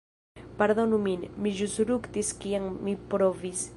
Pardonu min, mi ĵus ruktis kiam mi provis.